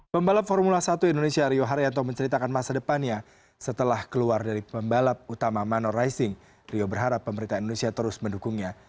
pembalap formula satu indonesia rio haryanto menceritakan masa depannya setelah keluar dari pembalap utama manor racing rio berharap pemerintah indonesia terus mendukungnya